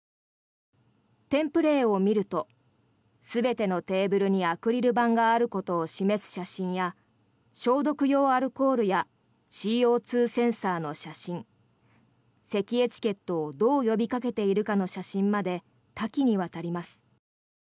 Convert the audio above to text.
添付例を見ると全てのテーブルにアクリル板があることを示す写真や消毒用アルコールやＣＯ２センサーの写真せきエチケットをどう呼びかけているかの写真まで多岐にわたります。